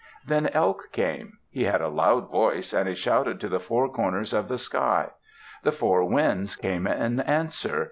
Then Elk came. He had a loud voice and he shouted to the four corners of the sky. The four winds came in answer.